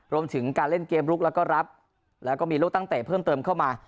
รวมถึงการเล่นเกมลุกแล้วก็รับแล้วก็มีลูกตั้งเตะเพิ่มเติมเข้ามา